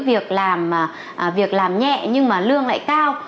với việc làm nhẹ nhưng mà lương lại cao